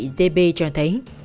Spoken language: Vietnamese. d b cho thấy